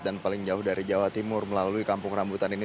dan paling jauh dari jawa timur melalui kampung rambutan ini